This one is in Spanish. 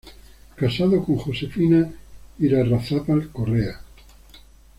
Casado con Josefina Irarrázaval Correa.